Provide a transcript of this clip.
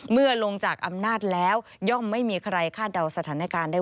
เมื่อลงจากอำนาจแล้วย่อมไม่มีใครคาดเดาสถานการณ์ได้